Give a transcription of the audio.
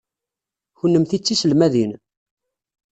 Kennemti d tiselmadin?